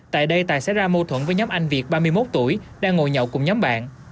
tại đây tài xảy ra mâu thuẫn với nhóm anh việt ba mươi một tuổi đang ngồi nhậu cùng nhóm bạn